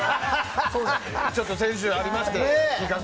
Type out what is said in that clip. ちょっと先週ありまして。